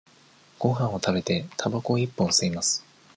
ごはんを食べて、たばこを一本吸います。